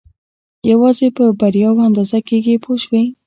یوازې په بریاوو اندازه کېږي پوه شوې!.